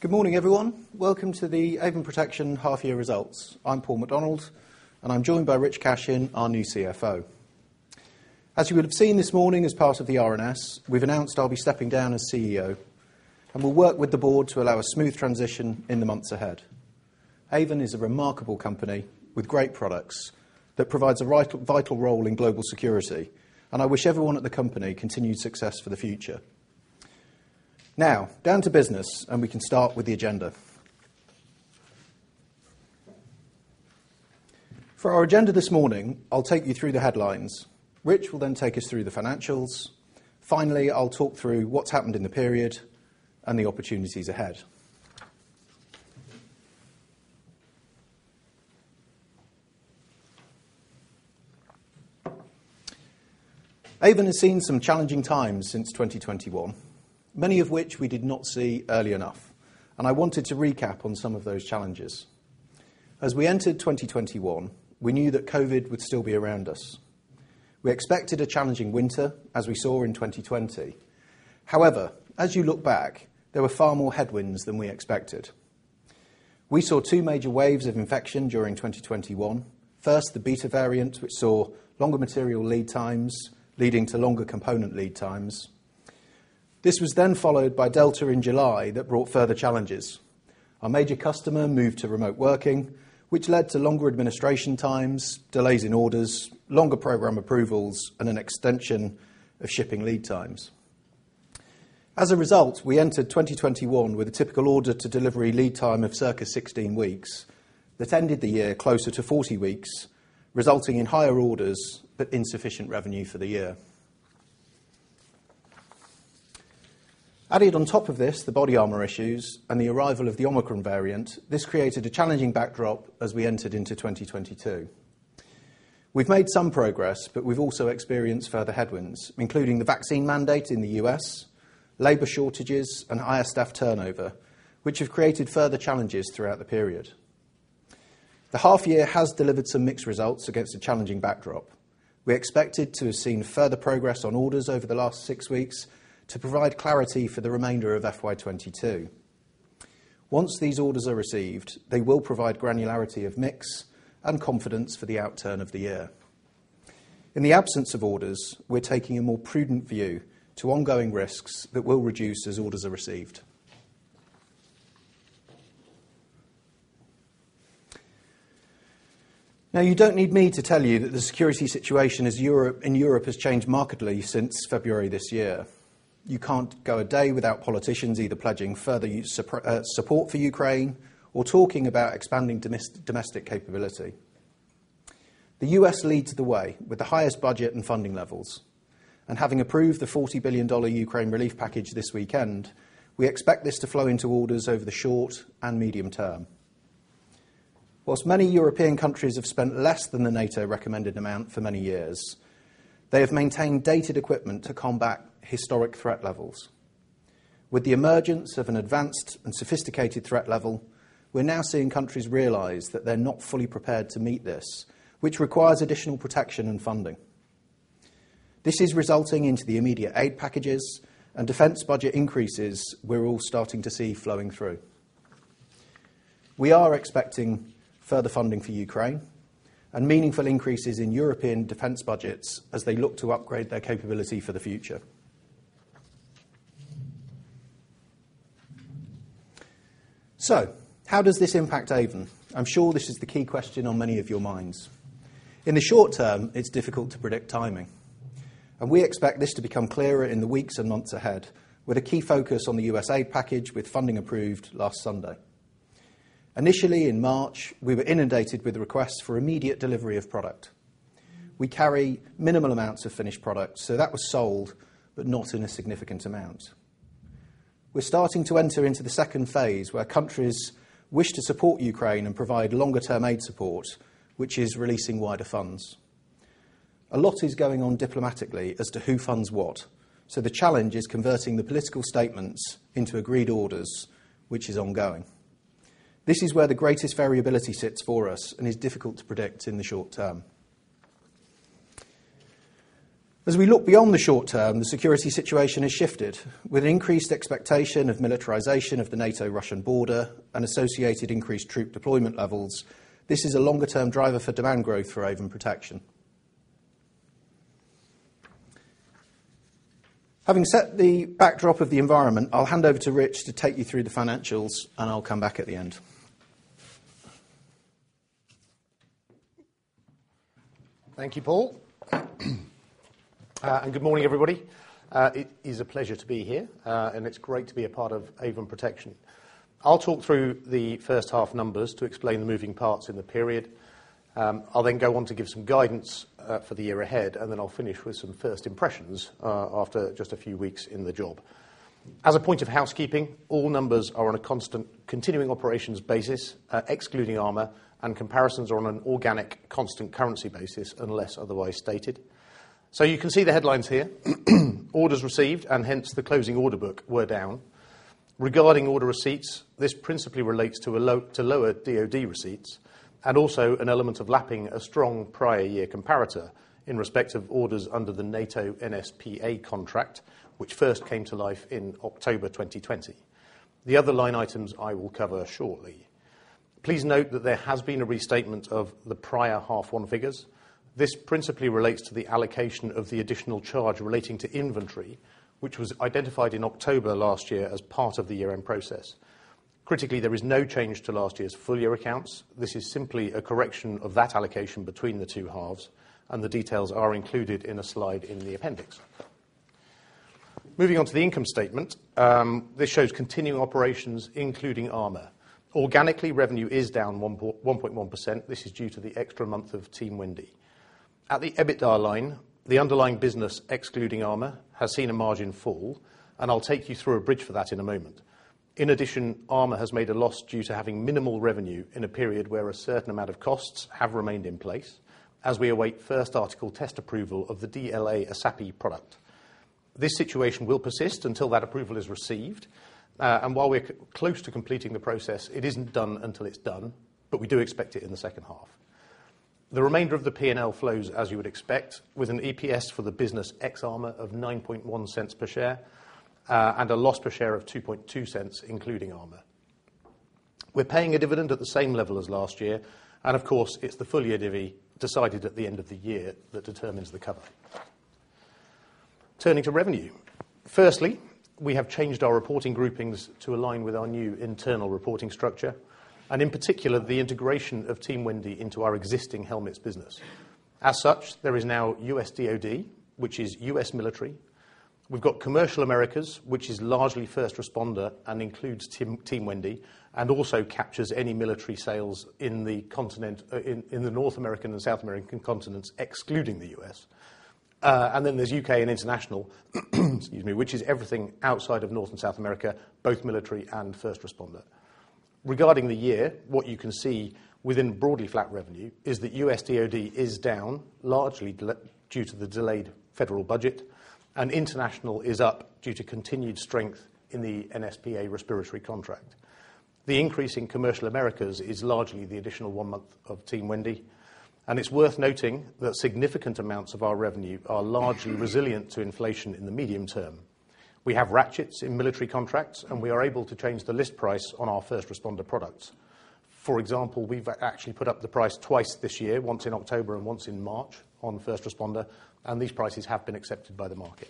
Good morning, everyone. Welcome to the Avon Protection half year results. I'm Paul McDonald, and I'm joined by Rich Cashin, our new CFO. As you would have seen this morning as part of the RNS, we've announced I'll be stepping down as CEO, and will work with the board to allow a smooth transition in the months ahead. Avon is a remarkable company with great products that provides a vital role in global security, and I wish everyone at the company continued success for the future. Now, down to business, and we can start with the agenda. For our agenda this morning, I'll take you through the headlines. Rich will then take us through the financials. Finally, I'll talk through what's happened in the period and the opportunities ahead. Avon has seen some challenging times since 2021, many of which we did not see early enough, and I wanted to recap on some of those challenges. As we entered 2021, we knew that COVID would still be around us. We expected a challenging winter, as we saw in 2020. However, as you look back, there were far more headwinds than we expected. We saw two major waves of infection during 2021. First, the Beta variant, which saw longer material lead times leading to longer component lead times. This was then followed by Delta in July that brought further challenges. Our major customer moved to remote working, which led to longer administration times, delays in orders, longer program approvals, and an extension of shipping lead times. As a result, we entered 2021 with a typical order to delivery lead time of circa 16 weeks that ended the year closer to 40 weeks, resulting in higher orders but insufficient revenue for the year. Added on top of this, the body armor issues and the arrival of the Omicron variant, this created a challenging backdrop as we entered into 2022. We've made some progress, but we've also experienced further headwinds, including the vaccine mandate in the U.S., labor shortages, and higher staff turnover, which have created further challenges throughout the period. The half year has delivered some mixed results against a challenging backdrop. We expected to have seen further progress on orders over the last six weeks to provide clarity for the remainder of FY2022. Once these orders are received, they will provide granularity of mix and confidence for the outturn of the year. In the absence of orders, we're taking a more prudent view to ongoing risks that will reduce as orders are received. Now, you don't need me to tell you that the security situation in Europe has changed markedly since February this year. You can't go a day without politicians either pledging further U.S. support for Ukraine or talking about expanding domestic capability. The U.S. leads the way with the highest budget and funding levels, and having approved the $40 billion Ukraine relief package this weekend, we expect this to flow into orders over the short and medium term. While many European countries have spent less than the NATO recommended amount for many years, they have maintained dated equipment to combat historic threat levels. With the emergence of an advanced and sophisticated threat level, we're now seeing countries realize that they're not fully prepared to meet this, which requires additional protection and funding. This is resulting in the immediate aid packages and defense budget increases we're all starting to see flowing through. We are expecting further funding for Ukraine and meaningful increases in European defense budgets as they look to upgrade their capability for the future. How does this impact Avon? I'm sure this is the key question on many of your minds. In the short term, it's difficult to predict timing, and we expect this to become clearer in the weeks and months ahead with a key focus on the USA package with funding approved last Sunday. Initially, in March, we were inundated with requests for immediate delivery of product. We carry minimal amounts of finished product, so that was sold, but not in a significant amount. We're starting to enter into the Phase II where countries wish to support Ukraine and provide longer term aid support, which is releasing wider funds. A lot is going on diplomatically as to who funds what, so the challenge is converting the political statements into agreed orders, which is ongoing. This is where the greatest variability sits for us and is difficult to predict in the short term. As we look beyond the short term, the security situation has shifted. With increased expectation of militarization of the NATO-Russian border and associated increased troop deployment levels, this is a longer term driver for demand growth for Avon Protection. Having set the backdrop of the environment, I'll hand over to Rich to take you through the financials, and I'll come back at the end. Thank you, Paul. Good morning, everybody. It is a pleasure to be here. It's great to be a part of Avon Protection. I'll talk through the H1 numbers to explain the moving parts in the period. I'll then go on to give some guidance for the year ahead, and then I'll finish with some first impressions after just a few weeks in the job. As a point of housekeeping, all numbers are on a constant continuing operations basis, excluding armor, and comparisons are on an organic constant currency basis unless otherwise stated. You can see the headlines here. Orders received, and hence the closing order book were down. Regarding order receipts, this principally relates to lower DoD receipts and also an element of lapping a strong prior year comparator in respect of orders under the NATO NSPA contract, which first came to life in October 2020. The other line items I will cover shortly. Please note that there has been a restatement of the prior H1 figures. This principally relates to the allocation of the additional charge relating to inventory, which was identified in October last year as part of the year-end process. Critically, there is no change to last year's full year accounts. This is simply a correction of that allocation between the two halves, and the details are included in a slide in the appendix. Moving on to the income statement, this shows continuing operations including Armor. Organically, revenue is down 1.1%. This is due to the extra month of Team Wendy. At the EBITDA line, the underlying business excluding Armor has seen a margin fall, and I'll take you through a bridge for that in a moment. In addition, Armor has made a loss due to having minimal revenue in a period where a certain amount of costs have remained in place, as we await first article test approval of the DLA ESAPI product. This situation will persist until that approval is received. While we're close to completing the process, it isn't done until it's done, but we do expect it in the H2. The remainder of the P&L flows as you would expect, with an EPS for the business ex Armor of $0.091 per share, and a loss per share of $0.022, including Armor. We're paying a dividend at the same level as last year, and of course, it's the full year dividend decided at the end of the year that determines the cover. Turning to revenue. Firstly, we have changed our reporting groupings to align with our new internal reporting structure, and in particular, the integration of Team Wendy into our existing helmets business. As such, there is now U.S. DoD, which is U.S. Military. We've got commercial Americas, which is largely first responder and includes Team Wendy, and also captures any military sales in the North American and South American continents, excluding the U.S. There's U.K. and International, excuse me, which is everything outside of North and South America, both military and first responder. Regarding the year, what you can see within broadly flat revenue is that U.S. DoD is down, largely due to the delayed federal budget, and international is up due to continued strength in the NSPA respiratory contract. The increase in commercial Americas is largely the additional one month of Team Wendy, and it's worth noting that significant amounts of our revenue are largely resilient to inflation in the medium term. We have ratchets in military contracts, and we are able to change the list price on our first responder products. For example, we've actually put up the price twice this year, once in October and once in March, on first responder, and these prices have been accepted by the market.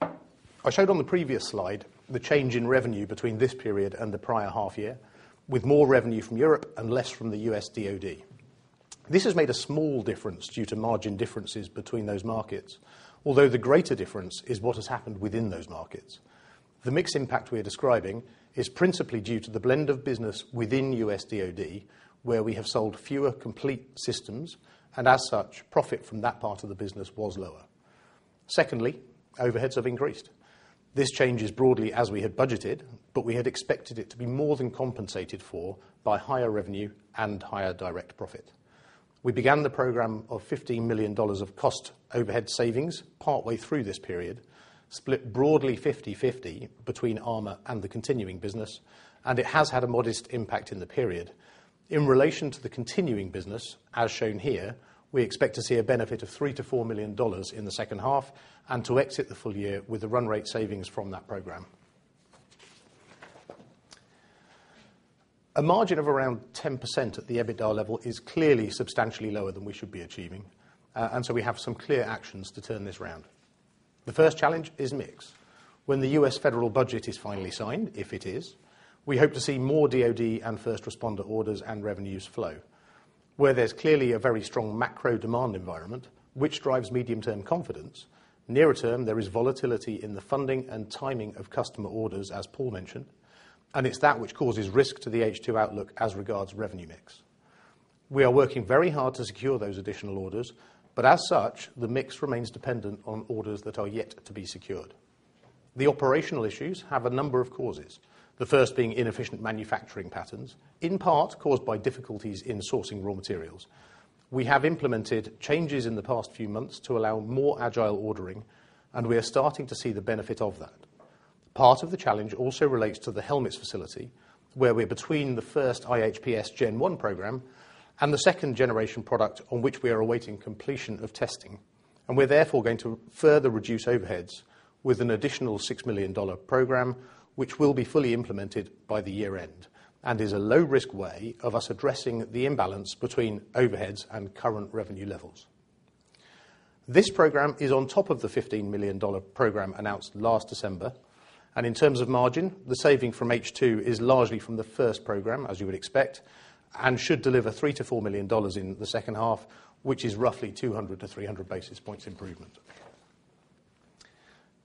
I showed on the previous slide the change in revenue between this period and the prior half year, with more revenue from Europe and less from the U.S. DoD. This has made a small difference due to margin differences between those markets, although the greater difference is what has happened within those markets. The mix impact we are describing is principally due to the blend of business within U.S. DoD, where we have sold fewer complete systems, and as such, profit from that part of the business was lower. Secondly, overheads have increased. This change is broadly as we had budgeted, but we had expected it to be more than compensated for by higher revenue and higher direct profit. We began the program of $15 million of cost overhead savings partly through this period, split broadly 50/50 between Armor and the continuing business, and it has had a modest impact in the period. In relation to the continuing business, as shown here, we expect to see a benefit of $3-$4 million in the H2 and to exit the full year with a run rate savings from that program. A margin of around 10% at the EBITDA level is clearly substantially lower than we should be achieving. We have some clear actions to turn this around. The first challenge is mix. When the U.S. federal budget is finally signed, if it is, we hope to see more DoD and first responder orders and revenues flow. Where there's clearly a very strong macro demand environment, which drives medium-term confidence, nearer term, there is volatility in the funding and timing of customer orders, as Paul mentioned, and it's that which causes risk to the H2 outlook as regards revenue mix. We are working very hard to secure those additional orders, but as such, the mix remains dependent on orders that are yet to be secured. The operational issues have a number of causes. The first being inefficient manufacturing patterns, in part caused by difficulties in sourcing raw materials. We have implemented changes in the past few months to allow more agile ordering, and we are starting to see the benefit of that. Part of the challenge also relates to the helmets facility, where we're between the first IHPS Gen One program and the second generation product on which we are awaiting completion of testing. We're therefore going to further reduce overheads with an additional $6 million program, which will be fully implemented by the year-end, and is a low-risk way of us addressing the imbalance between overheads and current revenue levels. This program is on top of the $15 million program announced last December, and in terms of margin, the saving from H2 is largely from the first program, as you would expect, and should deliver $3 million-$4 million in the H2, which is roughly 200-300 basis points improvement.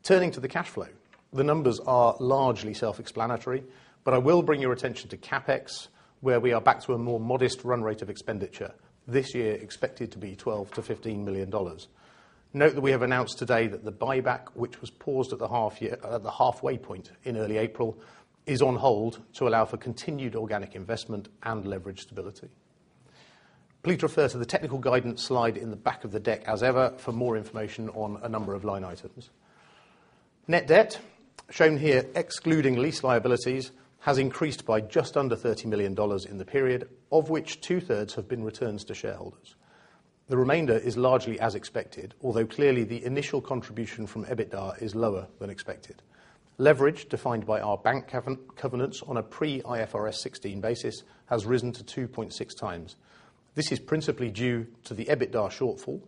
Turning to the cash flow, the numbers are largely self-explanatory, but I will bring your attention to CapEx, where we are back to a more modest run rate of expenditure, this year expected to be $12 million-$15 million. Note that we have announced today that the buyback, which was paused at the half year, at the halfway point in early April, is on hold to allow for continued organic investment and leverage stability. Please refer to the technical guidance slide in the back of the deck as ever for more information on a number of line items. Net debt, shown here excluding lease liabilities, has increased by just under $30 million in the period, of which two-thirds have been returned to shareholders. The remainder is largely as expected, although clearly the initial contribution from EBITDA is lower than expected. Leverage defined by our bank covenants on a pre-IFRS 16 basis has risen to 2.6 times. This is principally due to the EBITDA shortfall,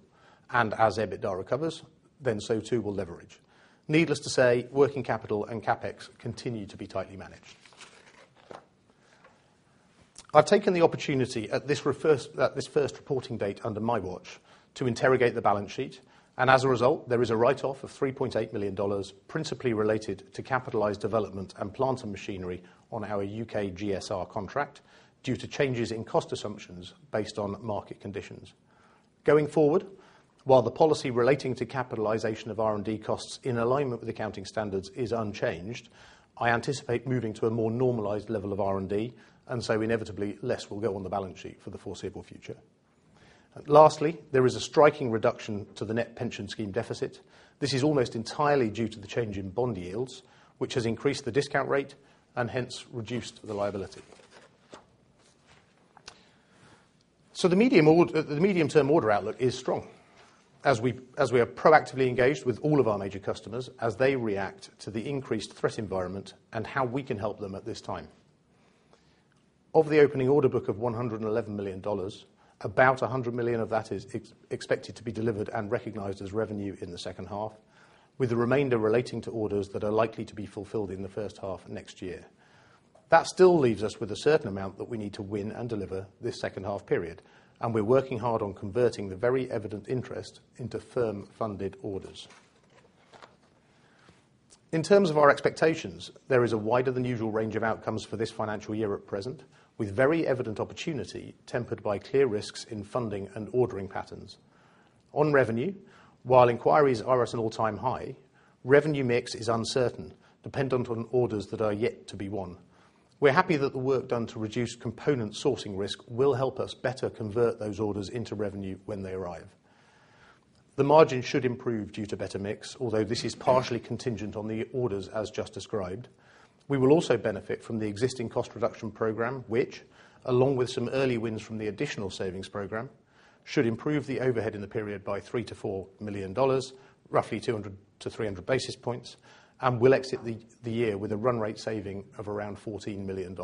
and as EBITDA recovers, then so too will leverage. Needless to say, working capital and CapEx continue to be tightly managed. I've taken the opportunity at this reporting date under my watch to interrogate the balance sheet, and as a result, there is a write-off of $3.8 million principally related to capitalized development and plant and machinery on our UK GSR contract due to changes in cost assumptions based on market conditions. Going forward, while the policy relating to capitalization of R&D costs in alignment with accounting standards is unchanged, I anticipate moving to a more normalized level of R&D, and so inevitably less will go on the balance sheet for the foreseeable future. Lastly, there is a striking reduction to the net pension scheme deficit. This is almost entirely due to the change in bond yields, which has increased the discount rate and hence reduced the liability. The medium-term order outlook is strong. As we have proactively engaged with all of our major customers as they react to the increased threat environment and how we can help them at this time. Of the opening order book of $111 million, about $100 million of that is expected to be delivered and recognized as revenue in the H2, with the remainder relating to orders that are likely to be fulfilled in the H1 of next year. That still leaves us with a certain amount that we need to win and deliver this H2 period, and we're working hard on converting the very evident interest into firm funded orders. In terms of our expectations, there is a wider than usual range of outcomes for this financial year at present, with very evident opportunity tempered by clear risks in funding and ordering patterns. On revenue, while inquiries are at an all-time high, revenue mix is uncertain, dependent on orders that are yet to be won. We're happy that the work done to reduce component sourcing risk will help us better convert those orders into revenue when they arrive. The margin should improve due to better mix, although this is partially contingent on the orders as just described. We will also benefit from the existing cost reduction program, which along with some early wins from the additional savings program, should improve the overhead in the period by $3 million-$4 million, roughly 200-300 basis points, and will exit the year with a run rate saving of around $14 million.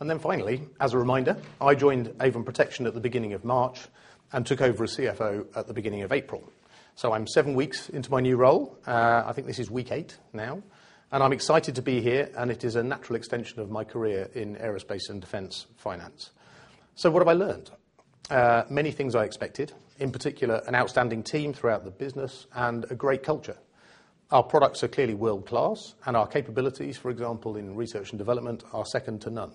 Then finally, as a reminder, I joined Avon Protection at the beginning of March and took over as CFO at the beginning of April. I'm seven weeks into my new role. I think this is week eight now, and I'm excited to be here, and it is a natural extension of my career in aerospace and defense finance. What have I learned? Many things I expected, in particular, an outstanding team throughout the business and a great culture. Our products are clearly world-class, and our capabilities, for example, in research and development, are second to none.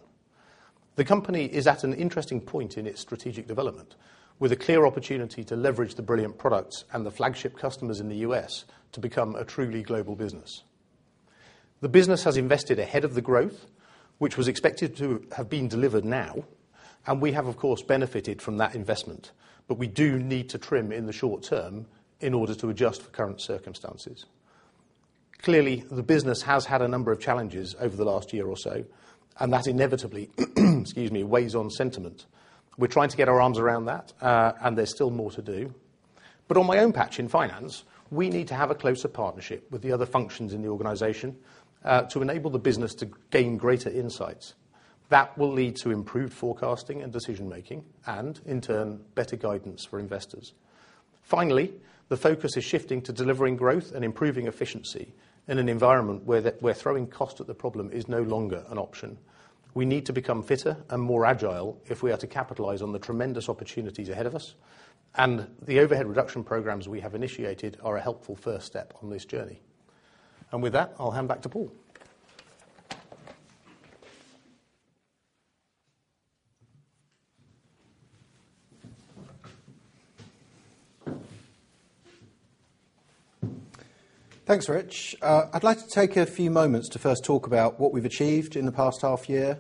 The company is at an interesting point in its strategic development, with a clear opportunity to leverage the brilliant products and the flagship customers in the U.S. to become a truly global business. The business has invested ahead of the growth, which was expected to have been delivered now, and we have of course benefited from that investment. We do need to trim in the short term in order to adjust for current circumstances. Clearly, the business has had a number of challenges over the last year or so, and that inevitably, excuse me, weighs on sentiment. We're trying to get our arms around that, and there's still more to do. On my own patch in finance, we need to have a closer partnership with the other functions in the organization, to enable the business to gain greater insights. That will lead to improved forecasting and decision-making, and in turn, better guidance for investors. Finally, the focus is shifting to delivering growth and improving efficiency in an environment where throwing cost at the problem is no longer an option. We need to become fitter and more agile if we are to capitalize on the tremendous opportunities ahead of us, and the overhead reduction programs we have initiated are a helpful first step on this journey. With that, I'll hand back to Paul. Thanks, Rich. I'd like to take a few moments to first talk about what we've achieved in the past half year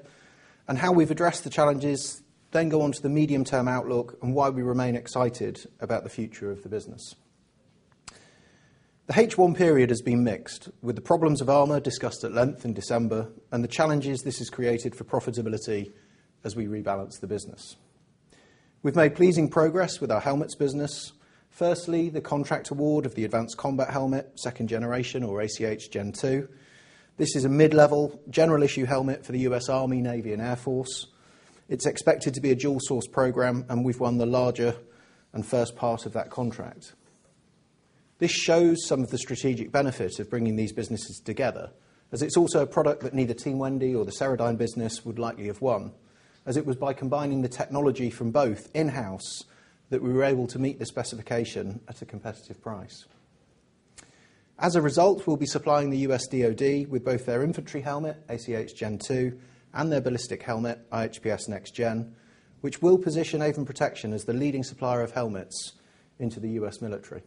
and how we've addressed the challenges, then go on to the medium-term outlook and why we remain excited about the future of the business. The H1 period has been mixed, with the problems of armor discussed at length in December and the challenges this has created for profitability as we rebalance the business. We've made pleasing progress with our helmets business. Firstly, the contract award of the Advanced Combat Helmet-Second Generation, or ACH Gen II. This is a mid-level general issue helmet for the U.S. Army, Navy, and Air Force. It's expected to be a dual-source program, and we've won the larger and first part of that contract. This shows some of the strategic benefit of bringing these businesses together, as it's also a product that neither Team Wendy or the Ceradyne business would likely have won, as it was by combining the technology from both in-house that we were able to meet the specification at a competitive price. As a result, we'll be supplying the U.S. DoD with both their infantry helmet, ACH Gen II, and their ballistic helmet, IHPS Next Gen, which will position Avon Protection as the leading supplier of helmets into the U.S. Military.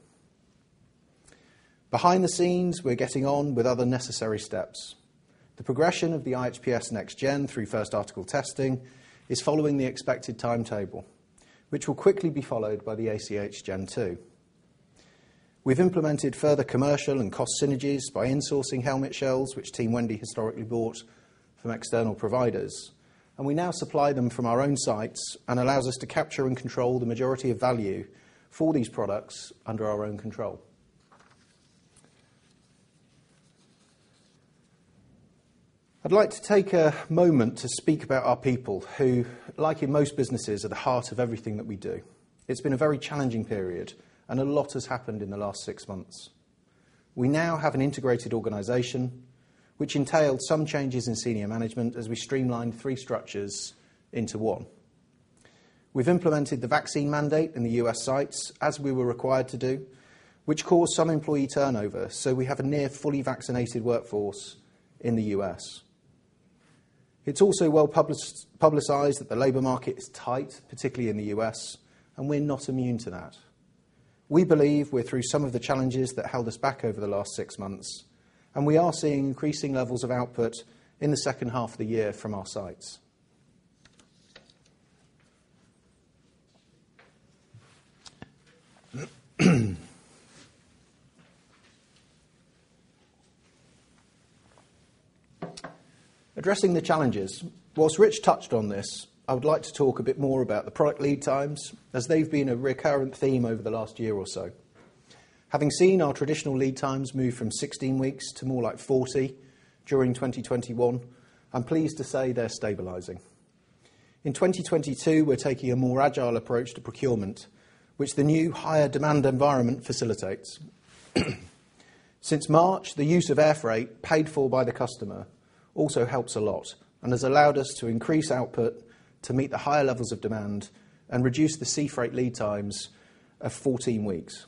Behind the scenes, we're getting on with other necessary steps. The progression of the IHPS Next Gen through first article testing is following the expected timetable, which will quickly be followed by the ACH Gen II. We've implemented further commercial and cost synergies by insourcing helmet shells, which Team Wendy historically bought from external providers. We now supply them from our own sites, and allows us to capture and control the majority of value for these products under our own control. I'd like to take a moment to speak about our people who, like in most businesses, are the heart of everything that we do. It's been a very challenging period, and a lot has happened in the last six months. We now have an integrated organization which entailed some changes in senior management as we streamlined three structures into one. We've implemented the vaccine mandate in the U.S. sites as we were required to do, which caused some employee turnover. We have a near fully vaccinated workforce in the U.S. It's also well publicized that the labor market is tight, particularly in the U.S., and we're not immune to that. We believe we're through some of the challenges that held us back over the last six months, and we are seeing increasing levels of output in the H2 of the year from our sites. Addressing the challenges. While Rich touched on this, I would like to talk a bit more about the product lead times as they've been a recurrent theme over the last year or so. Having seen our traditional lead times move from 16 weeks to more like 40 during 2021, I'm pleased to say they're stabilizing. In 2022, we're taking a more agile approach to procurement, which the new higher demand environment facilitates. Since March, the use of air freight paid for by the customer also helps a lot and has allowed us to increase output to meet the higher levels of demand and reduce the sea freight lead times of 14 weeks.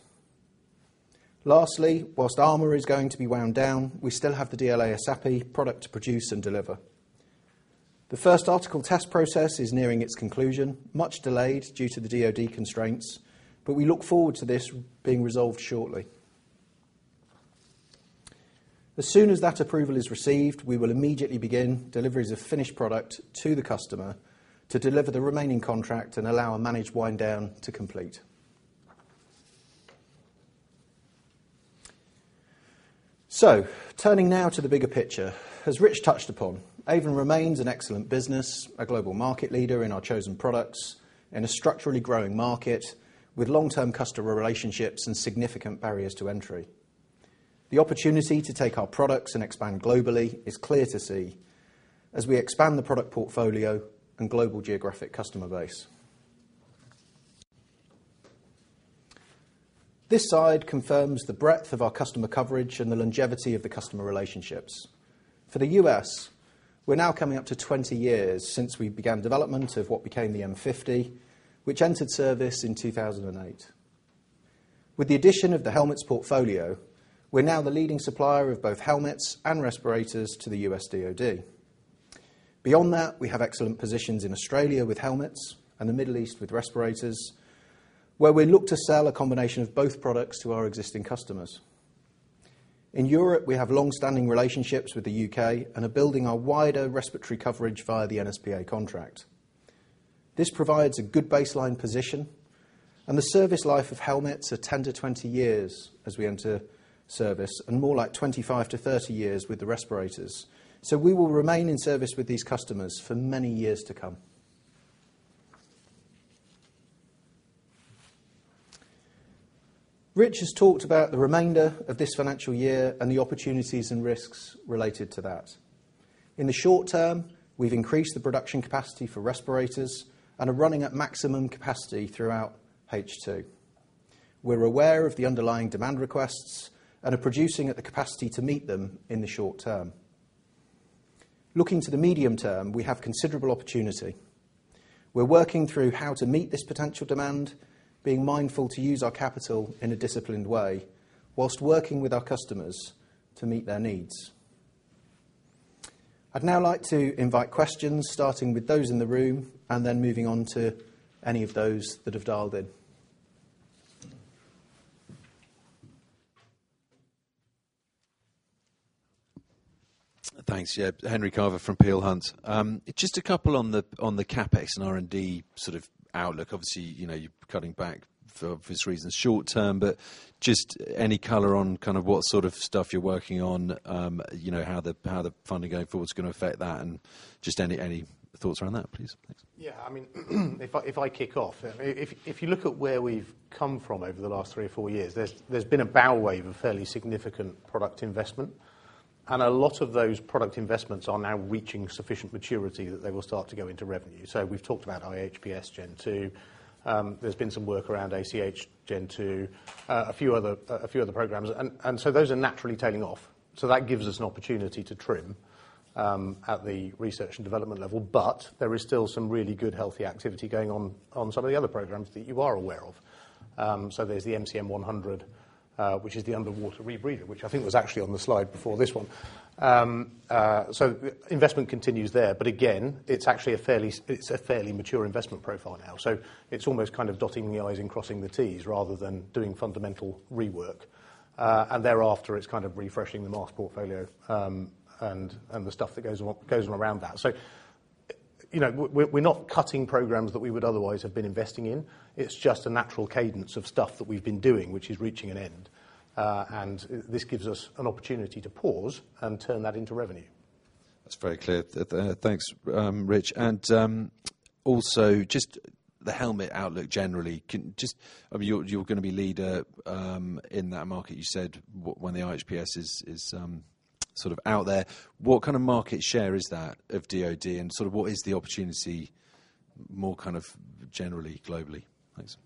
Lastly, while Armor is going to be wound down, we still have the DLA ESAPI product to produce and deliver. The first article test process is nearing its conclusion, much delayed due to the DoD constraints, but we look forward to this being resolved shortly. As soon as that approval is received, we will immediately begin deliveries of finished product to the customer to deliver the remaining contract and allow a managed wind down to complete. Turning now to the bigger picture. As Rich touched upon, Avon remains an excellent business, a global market leader in our chosen products, in a structurally growing market with long-term customer relationships and significant barriers to entry. The opportunity to take our products and expand globally is clear to see as we expand the product portfolio and global geographic customer base. This slide confirms the breadth of our customer coverage and the longevity of the customer relationships. For the U.S., we're now coming up to 20 years since we began development of what became the M50, which entered service in 2008. With the addition of the helmets portfolio, we're now the leading supplier of both helmets and respirators to the U.S. DoD. Beyond that, we have excellent positions in Australia with helmets and the Middle East with respirators, where we look to sell a combination of both products to our existing customers. In Europe, we have long-standing relationships with the UK and are building our wider respiratory coverage via the NSPA contract. This provides a good baseline position and the service life of helmets are 10-20 years as we enter service, and more like 25-30 years with the respirators. We will remain in service with these customers for many years to come. Rich has talked about the remainder of this financial year and the opportunities and risks related to that. In the short term, we've increased the production capacity for respirators and are running at maximum capacity throughout H2. We're aware of the underlying demand requests and are producing at the capacity to meet them in the short term. Looking to the medium term, we have considerable opportunity. We're working through how to meet this potential demand, being mindful to use our capital in a disciplined way while working with our customers to meet their needs. I'd now like to invite questions, starting with those in the room and then moving on to any of those that have dialed in. Thanks. Yeah. Henry Carver from Peel Hunt. Just a couple on the CapEx and R&D sort of outlook. Obviously you're cutting back for obvious reasons short term, but just any color on kind of what sort of stuff you're working on how the funding going forward is gonna affect that and just any thoughts around that, please? Thanks. I mean, if I kick off. If you look at where we've come from over the last three or four years, there's been a bow wave of fairly significant product investment, and a lot of those product investments are now reaching sufficient maturity that they will start to go into revenue. We've talked about IHPS Gen 2. There's been some work around ACH Gen II, a few other programs. Those are naturally tailing off. That gives us an opportunity to trim at the research and development level. There is still some really good, healthy activity going on some of the other programs that you are aware of. There's the MCM100, which is the underwater rebreather, which I think was actually on the slide before this one. Investment continues there. Again, it's actually a fairly mature investment profile now. It's almost kind of dotting the I's and crossing the T's rather than doing fundamental rework. Thereafter, it's kind of refreshing the mask portfolio, and the stuff that goes on around that. We're not cutting programs that we would otherwise have been investing in. It's just a natural cadence of stuff that we've been doing, which is reaching an end. This gives us an opportunity to pause and turn that into revenue. That's very clear. Thanks, Rich. Also just the helmet outlook generally, just, I mean, you're gonna be leader in that market, you said, when the IHPS is sort of out there. What kind of market share is that of DoD and sort of what is the opportunity more kind of generally globally? Thanks.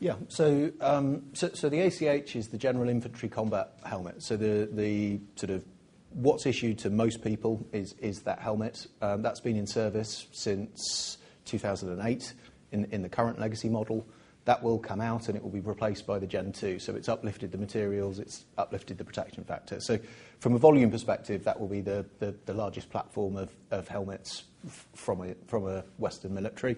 Yeah. The ACH is the general infantry combat helmet. The sort of what's issued to most people is that helmet. That's been in service since 2008 in the current legacy model. That will come out, and it will be replaced by the Gen II. It's uplifted the materials, it's uplifted the protection factor. From a volume perspective, that will be the largest platform of helmets from a Western military.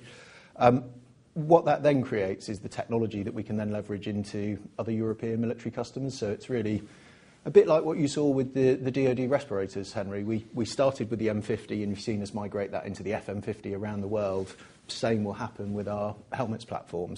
What that then creates is the technology that we can then leverage into other European military customers. It's really a bit like what you saw with the DoD respirators, Henry. We started with the M50, and you've seen us migrate that into the FM50 around the world. Same will happen with our helmets platform.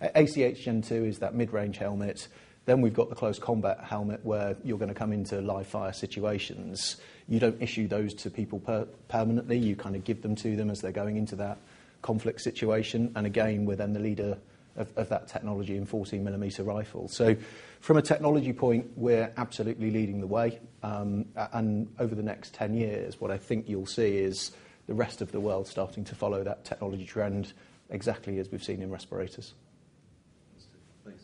ACH Gen II is that mid-range helmet. We've got the close combat helmet, where you're gonna come into live-fire situations. You don't issue those to people permanently. You kind of give them to them as they're going into that conflict situation. We're then the leader of that technology in 7.62mm rifle. From a technology point, we're absolutely leading the way. Over the next 10 years, what I think you'll see is the rest of the world starting to follow that technology trend exactly as we've seen in respirators. Thanks.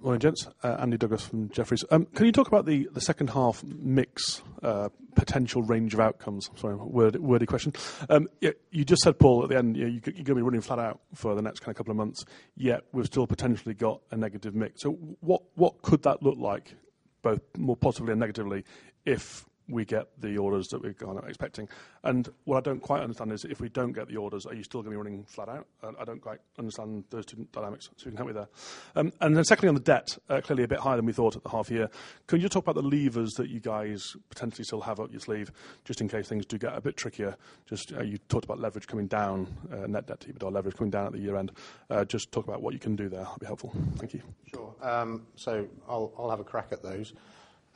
Morning, gents. Andrew Douglas from Jefferies. Can you talk about the H2 mix, potential range of outcomes? Sorry, wordy question. You just said, Paul, at the end you're gonna be running flat out for the next couple of months, yet we've still potentially got a negative mix. What could that look like, both more positively and negatively, if we get the orders that we're kind of expecting? What I don't quite understand is if we don't get the orders, are you still gonna be running flat out? I don't quite understand those two dynamics, so can you help me there? Secondly, on the debt, clearly a bit higher than we thought at the half year. Can you talk about the levers that you guys potentially still have up your sleeve just in case things do get a bit trickier? Just you talked about leverage coming down, net debt, EBITDA leverage coming down at the year-end. Just talk about what you can do there. That'd be helpful. Thank you. Sure. I'll have a crack at those.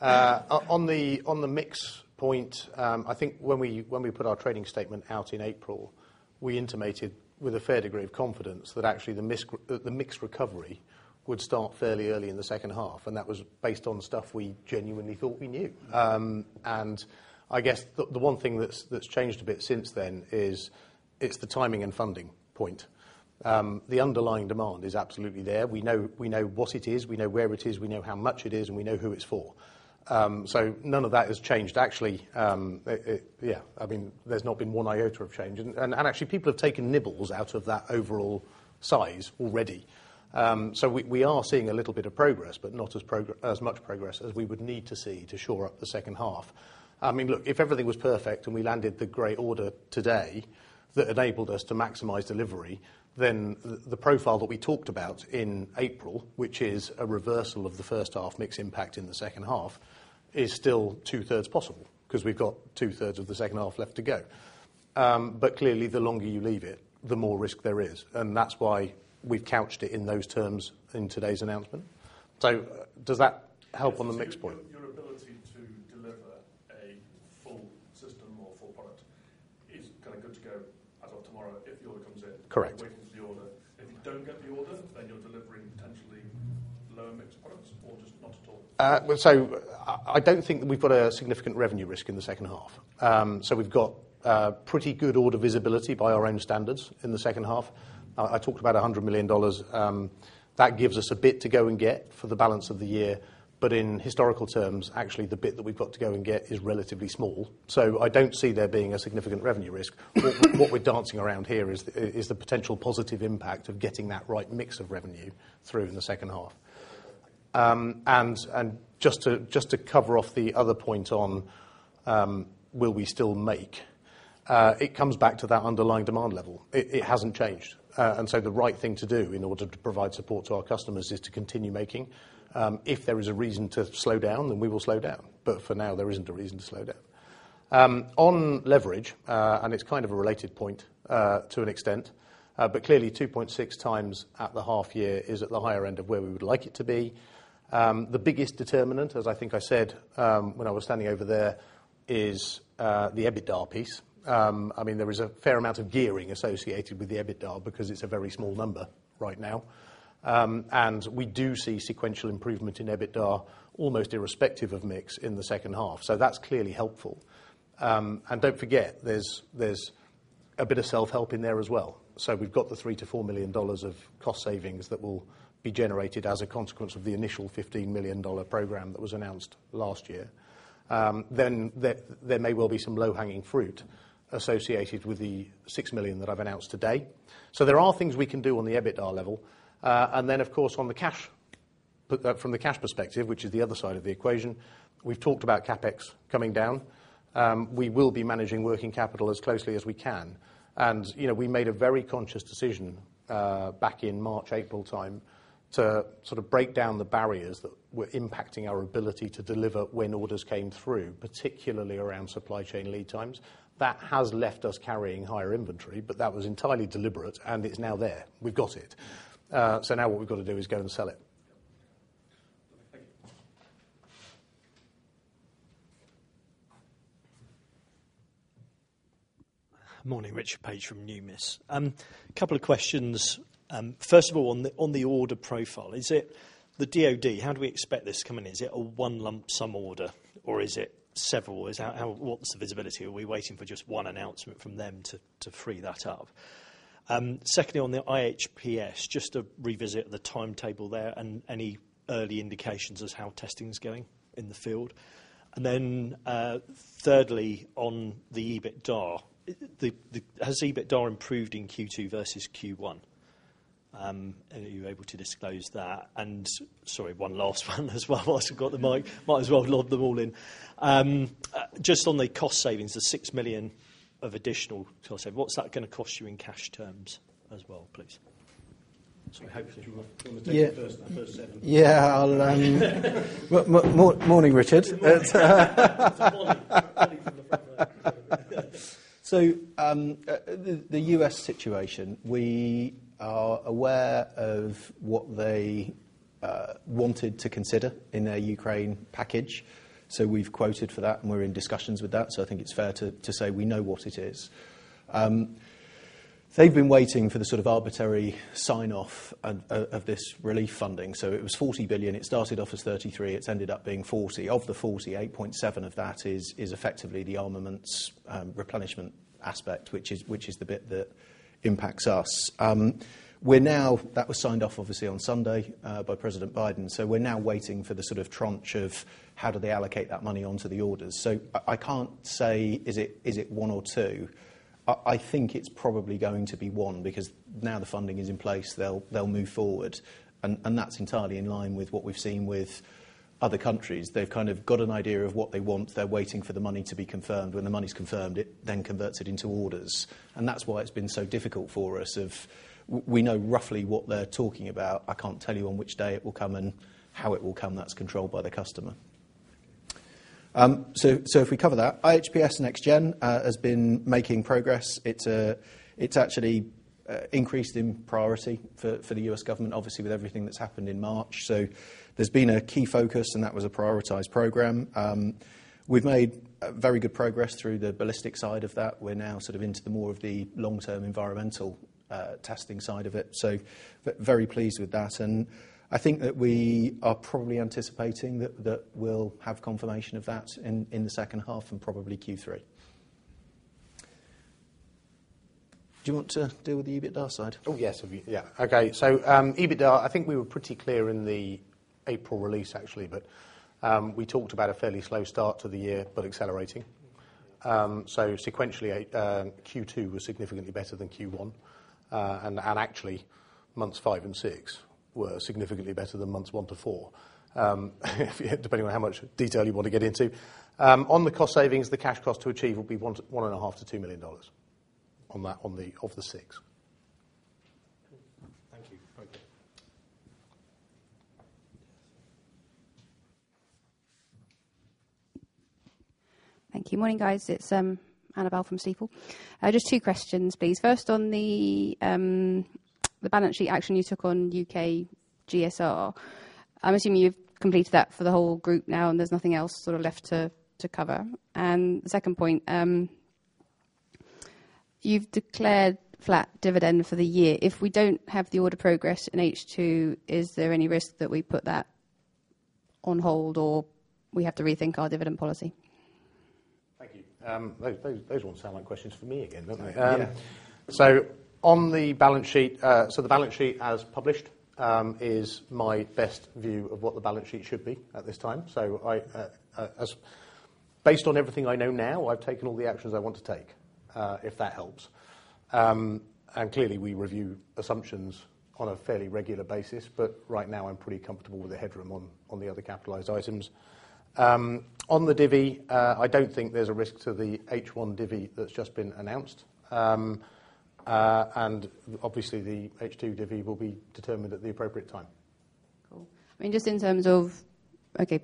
On the mix point, I think when we put our trading statement out in April, we intimated with a fair degree of confidence that actually the mix recovery would start fairly early in the H2, and that was based on stuff we genuinely thought we knew. I guess the one thing that's changed a bit since then is it's the timing and funding point. The underlying demand is absolutely there. We know what it is, we know where it is, we know how much it is, and we know who it's for. None of that has changed. Actually, yeah. I mean, there's not been one iota of change. Actually, people have taken nibbles out of that overall size already. We are seeing a little bit of progress, but not as much progress as we would need to see to shore up the H2. I mean, look, if everything was perfect, and we landed the great order today that enabled us to maximize delivery, then the profile that we talked about in April, which is a reversal of the H1 mix impact in the H2, is still two-thirds possible because we've got two-thirds of the H2 left to go. Clearly, the longer you leave it, the more risk there is, and that's why we've couched it in those terms in today's announcement. Does that help on the mix point? Your ability to deliver a full system or full product is kind of good to go as of tomorrow if the order comes in. Correct. You're waiting for the order. If you don't get the order, then you're delivering potentially lower-mix products or just not at all? I don't think that we've got a significant revenue risk in the H2. We've got pretty good order visibility by our own standards in the H2. I talked about $100 million. That gives us a bit to go and get for the balance of the year. In historical terms, actually, the bit that we've got to go and get is relatively small. I don't see there being a significant revenue risk. What we're dancing around here is the potential positive impact of getting that right mix of revenue through in the H2. Just to cover off the other point on will we still make? It comes back to that underlying demand level. It hasn't changed. The right thing to do in order to provide support to our customers is to continue making. If there is a reason to slow down, then we will slow down. For now, there isn't a reason to slow down. On leverage, and it's kind of a related point, to an extent, but clearly 2.6x at the half year is at the higher end of where we would like it to be. The biggest determinant, as I think I said, when I was standing over there, is the EBITDA piece. I mean, there is a fair amount of gearing associated with the EBITDA because it's a very small number right now. We do see sequential improvement in EBITDA almost irrespective of mix in the H2. That's clearly helpful. Don't forget, there's a bit of self-help in there as well. We've got the $3 million-$4 million of cost savings that will be generated as a consequence of the initial $15 million program that was announced last year. There may well be some low-hanging fruit associated with the $6 million that I've announced today. There are things we can do on the EBITDA level. Of course, on the cash, but from the cash perspective, which is the other side of the equation. We've talked about CapEx coming down. We will be managing working capital as closely as we can. We made a very conscious decision back in March, April time to sort of break down the barriers that were impacting our ability to deliver when orders came through, particularly around supply chain lead times. That has left us carrying higher inventory, but that was entirely deliberate, and it's now there. We've got it. Now what we've got to do is go and sell it. Thank you. Morning, Richard Paige from Numis. A couple of questions. First of all, on the order profile, is it the DoD? How do we expect this coming in? Is it a one lump sum order, or is it several? What's the visibility? Are we waiting for just one announcement from them to free that up? Secondly, on the IHPS, just to revisit the timetable there and any early indications as to how testing is going in the field. Thirdly, on the EBITDA, has EBITDA improved in Q2 versus Q1? Are you able to disclose that? Sorry, one last one as well. I also got the mic, might as well load them all in. Just on the cost savings, the 6 million of additional to offset, what's that gonna cost you in cash terms as well, please? I hope you wanna take the first seven. Morning, Richard. Good morning. It's morning. Morning from the front row. The U.S. situation, we are aware of what they wanted to consider in their Ukraine package. We've quoted for that, and we're in discussions with that. I think it's fair to say we know what it is. They've been waiting for the sort of bipartisan sign-off of this relief funding. It was $40 billion. It started off as $33 billion. It's ended up being $40 billion. Of the $40 billion, $8.7 billion of that is effectively the armaments replenishment aspect, which is the bit that impacts us. That was signed off obviously on Sunday by President Biden. We're now waiting for the sort of tranche of how do they allocate that money onto the orders. I can't say, is it 1 or 2. I think it's probably going to be one, because now the funding is in place, they'll move forward. That's entirely in line with what we've seen with other countries. They've kind of got an idea of what they want. They're waiting for the money to be confirmed. When the money is confirmed, it then converts it into orders. That's why it's been so difficult for us. We know roughly what they're talking about. I can't tell you on which day it will come and how it will come. That's controlled by the customer. If we cover that, IHPS Next Gen has been making progress. It's actually increased in priority for the U.S. government, obviously, with everything that's happened in March. There's been a key focus, and that was a prioritized program. We've made very good progress through the ballistic side of that. We're now sort of into the more of the long-term environmental, testing side of it. Very pleased with that. I think that we are probably anticipating that we'll have confirmation of that in the H2 and probably Q3. Do you want to deal with the EBITDA side? Oh, yes. Yeah. Okay. EBITDA, I think we were pretty clear in the April release, actually, that we talked about a fairly slow start to the year, but accelerating. Sequentially, Q2 was significantly better than Q1. Actually, months 5 and 6 were significantly better than months 1 to 4, depending on how much detail you want to get into. On the cost savings, the cash cost to achieve will be $1.5 million-$2 million of the 6. Thank you. Okay. Thank you. Morning, guys. It's Annabel from Stifel. Just two questions, please. First, on the balance sheet action you took on UK GSR. I'm assuming you've completed that for the whole group now and there's nothing else sort of left to cover. The second point, you've declared flat dividend for the year. If we don't have the order progress in H2, is there any risk that we put that on hold or we have to rethink our dividend policy? Thank you. Those all sound like questions for me again, don't they? Yeah. The balance sheet as published is my best view of what the balance sheet should be at this time. Based on everything I know now, I've taken all the actions I want to take, if that helps. Clearly, we review assumptions on a fairly regular basis, but right now I'm pretty comfortable with the headroom on the other capitalized items. On the divvy, I don't think there's a risk to the H1 divvy that's just been announced. Obviously, the H2 divvy will be determined at the appropriate time. Cool. I mean, just in terms of, okay,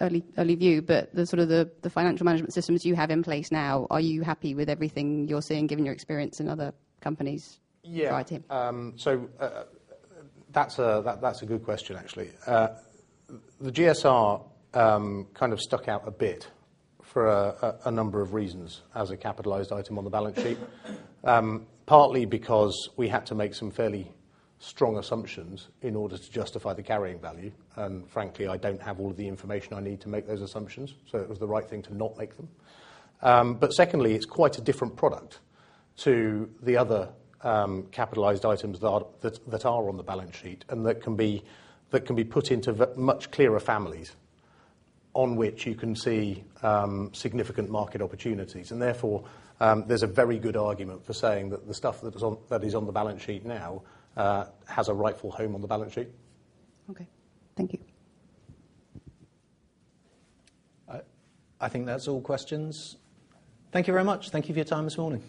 early view, but the sort of the financial management systems you have in place now, are you happy with everything you're seeing, given your experience in other companies? Yeah. -variety? That's a good question, actually. The GSR kind of stuck out a bit for a number of reasons as a capitalized item on the balance sheet, partly because we had to make some fairly strong assumptions in order to justify the carrying value. Frankly, I don't have all of the information I need to make those assumptions, so it was the right thing to not make them. Secondly, it's quite a different product to the other capitalized items that are on the balance sheet and that can be put into much clearer families on which you can see significant market opportunities. Therefore, there's a very good argument for saying that the stuff that is on the balance sheet now has a rightful home on the balance sheet. Okay. Thank you. I think that's all questions. Thank you very much. Thank you for your time this morning.